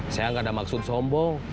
saya nggak ada maksud sombong